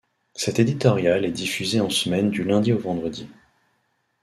Cet éditorial est diffusé en semaine du lundi au vendredi.